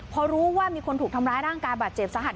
พอรู้ว่ามีคนถูกทำร้ายร่างกายบาดเจ็บสาหัส